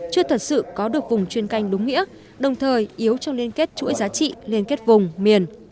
chưa thật sự có được vùng chuyên canh đúng nghĩa đồng thời yếu trong liên kết chuỗi giá trị liên kết vùng miền